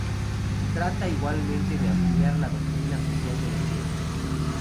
Trata igualmente de ampliar la Doctrina Social de la Iglesia.